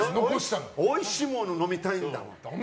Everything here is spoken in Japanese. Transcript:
おいしいもの飲みたいんだもん。